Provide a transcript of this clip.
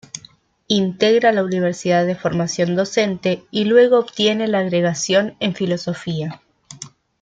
Integra la universidad de formación docente y luego obtiene la agregación en filosofía.